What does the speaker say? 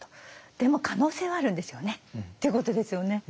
でも可能性はあるんですよねってことですよね。